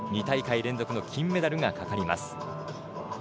２大会連続の金メダルがかかります。